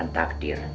dan menyalahkan takdir